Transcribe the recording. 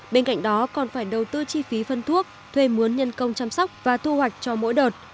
bên cạnh đó còn phải đầu tư chi phí phân thuốc thuê muốn nhân công chăm sóc và thu hoạch cho mỗi đợt